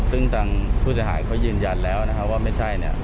ซึ่งตังค์ผู้เสียหายเขายืนยันแล้วว่าไม่ใช่